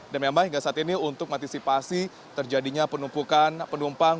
dan memang hingga saat ini untuk mengantisipasi terjadinya penumpukan penumpang